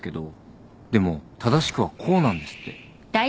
でも正しくはこうなんですって。